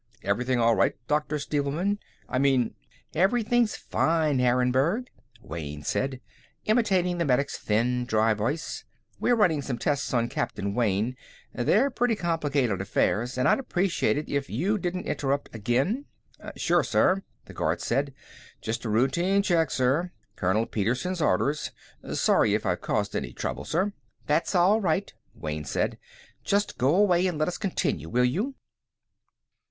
Everything all right, Dr. Stevelman? I mean " "Everything's fine, Harrenburg," Wayne said, imitating the medic's thin, dry voice. "We're running some tests on Captain Wayne. They're pretty complicated affairs, and I'd appreciate it if you didn't interrupt again." "Sure, sir," the guard said. "Just a routine check, sir. Colonel Petersen's orders. Sorry if I've caused any trouble, sir." "That's all right," Wayne said. "Just go away and let us continue, will you?"